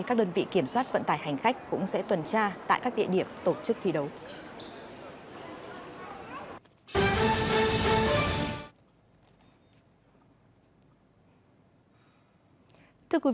các đơn vị kiểm soát vận tải hành khách cũng sẽ tuần tra tại các địa điểm tổ chức thi đấu